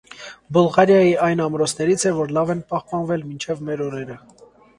Բուլղարիայի այն ամրոցներից է, որ լավ են պահպանվել մինչև մեր օրերը։